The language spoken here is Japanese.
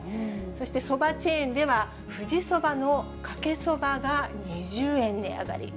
そしてそばチェーンでは富士そばのかけそばが２０円値上がり。